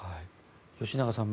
吉永さん